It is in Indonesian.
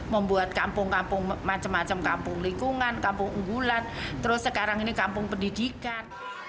membuat kampung kampung macam macam kampung lingkungan kampung unggulan terus sekarang ini kampung pendidikan